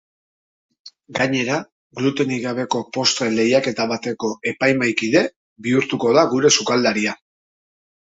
Gainera, glutenik gabeko postre lehiaketa bateko epaimahaikide bihurtuko da gure sukaldaria.